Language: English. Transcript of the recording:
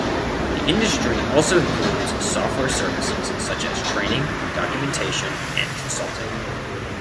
The industry also includes software services, such as training, documentation, and consulting.